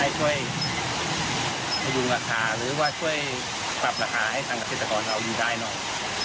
ช่วยพยุงราคาหรือว่าช่วยปรับราคาให้ทางเกษตรกรเขาอยู่ได้หน่อย